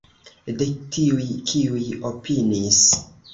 De tiuj, kiuj oponis.